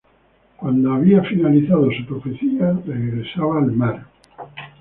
Cuando había finalizado su profecía, regresaba al mar.